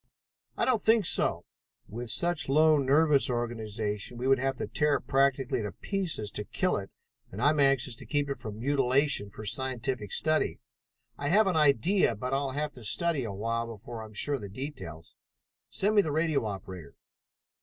"I don't think so. With such a low nervous organization, we would have to tear it practically to pieces to kill it, and I am anxious to keep it from mutilation for scientific study. I have an idea, but I'll have to study a while before I am sure of the details. Send me the radio operator."